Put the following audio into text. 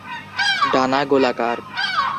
ডানা গোলাকার।